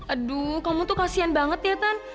aduh kamu tuh kasian banget ya tan